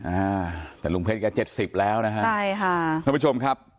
อ่าแต่ลุงเพชรแกเจ็ดสิบแล้วนะฮะใช่ค่ะท่านผู้ชมครับ